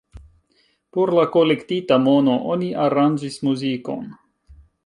Por la kolektita mono oni aranĝis muzikon.